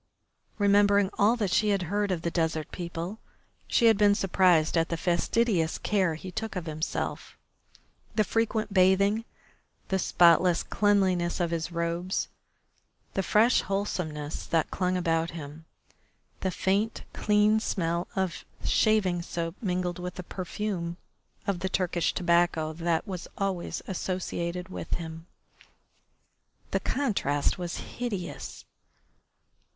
Remembering all that she had heard of the desert people she had been surprised at the fastidious care he took of himself, the frequent bathing, the spotless cleanliness of his robes, the fresh wholesomeness that clung about him, the faint, clean smell of shaving soap mingling with the perfume of the Turkish tobacco that was always associated with him. The contrast was hideous.